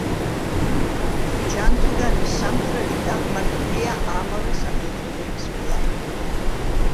ჯანთუგანის სამხრეთით აღმართულია ამავე სახელწოდების პლატო.